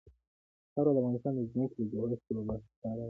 خاوره د افغانستان د ځمکې د جوړښت یوه ښکاره نښه ده.